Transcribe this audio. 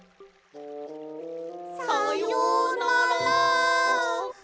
さようなら！